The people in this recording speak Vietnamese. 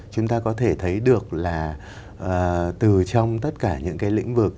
chúng ta có thể thấy được là từ trong tất cả những cái lĩnh vực